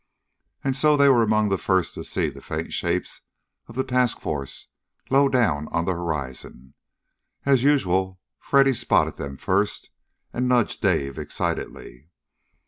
And so they were among the first to see the faint shapes of the task force low down on the horizon. As usual, Freddy spotted them first and nudged Dave excitedly.